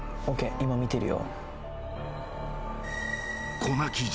今見てるよ。